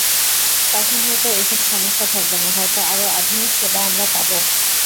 তখন হয়তো এসব সমস্যা থাকবে না, হয়তো আরও আধুনিক সেবা আমরা পাব।